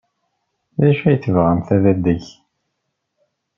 D acu ay tebɣamt ad t-teg?